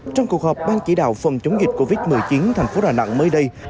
trong cuộc họp ban chỉ đạo phòng chống dịch covid một mươi chín thành phố đà nẵng mới đây